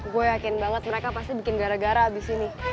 gue yakin banget mereka pasti bikin gara gara abis ini